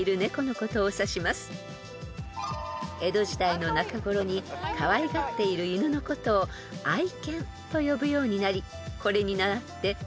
［江戸時代の中ごろにかわいがっている犬のことを「愛犬」と呼ぶようになりこれに倣って昭和初期に